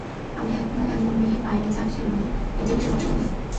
আমি এখনো এমন মেয়ে পাইনি যাকে দেখে মনের মধ্যে কিছু হবে।